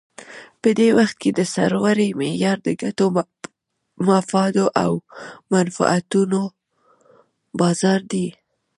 په دې وخت کې د سرورۍ معیار د ګټو، مفاداتو او منفعتونو بازار دی.